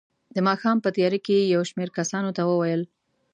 د ماښام په تیاره کې یې یو شمېر کسانو ته وویل.